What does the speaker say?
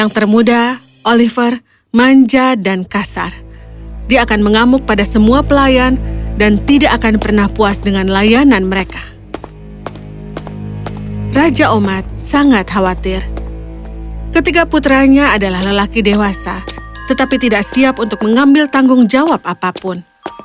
tiga putranya adalah lelaki dewasa tetapi tidak siap untuk mengambil tanggung jawab apapun